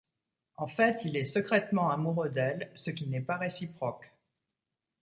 En fait il est secrètement amoureux d'elle, ce qui n'est pas réciproque.